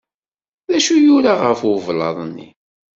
D acu yuran ɣef ublaḍ-nni?